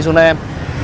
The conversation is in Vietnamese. đi xuống đây em